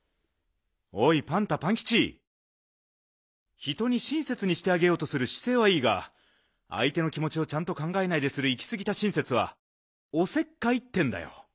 おいパンタパンキチ人にしんせつにしてあげようとするしせいはいいがあいての気もちをちゃんとかんがえないでするいきすぎたしんせつはおせっかいってんだよ。